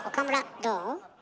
どう？